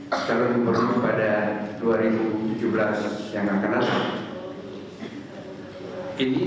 akan berumur pada dua ribu tujuh belas yang akan datang